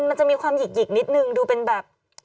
มันจะมีความหยิกนิดนึงดูเป็นแบบ